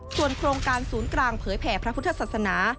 ส่วนโครงการศูนย์กลางเผยแผ่พระพุทธศาสนา